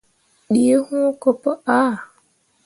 Ɗii wũũ ko pu aa.